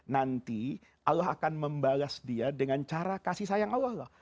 nanti allah akan membalas dia dengan cara kasih sayang allah loh